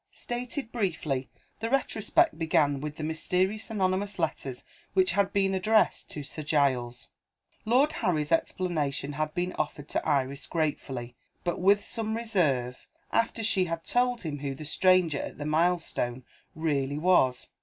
Stated briefly, the retrospect began with the mysterious anonymous letters which had been addressed to Sir Giles. Lord Harry's explanation had been offered to Iris gratefully, but with some reserve, after she had told him who the stranger at the milestone really was.